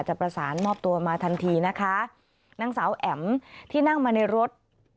จะประสานมอบตัวมาทันทีนะคะนางสาวแอ๋มที่นั่งมาในรถ